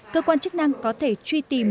cơ quan chức năng có thể truy tìm